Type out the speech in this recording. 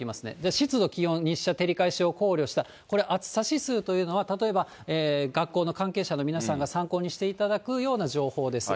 湿度、気温、日射、照り返しを考慮した暑さ指数というのが、例えば学校の関係者の皆さんが参考にしていただくような情報です。